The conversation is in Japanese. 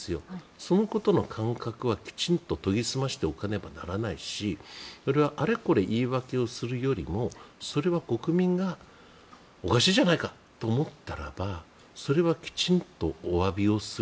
そのことの感覚はきちんと研ぎ澄ましておかなければならないしこれはあれこれ言い訳をするよりもそれは国民がおかしいじゃないかと思ったらばそれはきちんとおわびをする。